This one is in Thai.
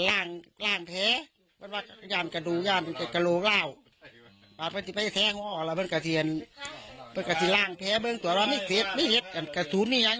ไม่กล้าอาวุธศัตรูก็เช่นเวลาเมื่อยวันไหร่ว่าไม่มีคนจะหลวกขัง